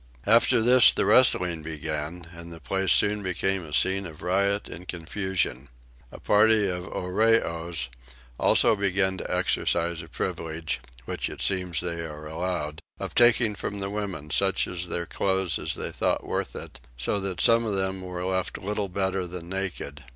After this the wrestling began and the place soon became a scene of riot and confusion. A party of the Arreoys also began to exercise a privilege, which it seems they are allowed, of taking from the women such of their clothes as they thought worth it; so that some of them were left little better than naked.